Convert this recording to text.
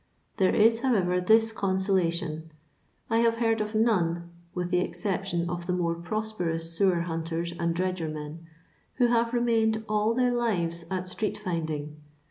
There is, however, this consolation : I have heard of none, with the exception of the more prosperous sewer hunters and dredgermen, who have remained all their lives at street finding.